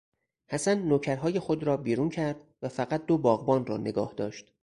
حسن نوکرهای خود را بیرون کرد و فقط دو باغبان را نگاه داشت.